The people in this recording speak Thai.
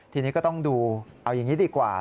ทีนี้ก็ต้องดูเอาอย่างนี้ดีกว่า